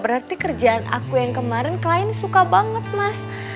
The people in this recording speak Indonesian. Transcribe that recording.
berarti kerjaan aku yang kemarin klien suka banget mas